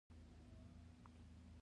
د اجتهادونو څرګندولو جرئت نه درلود